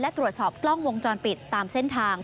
และตรวจสอบกล้องวงจรปิดตามเส้นทาง